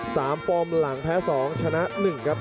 ฟอร์มหลังแพ้สองชนะหนึ่งครับ